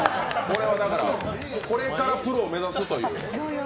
これからプロを目指すという。